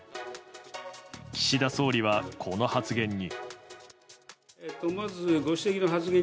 岸田総理は、この発言に。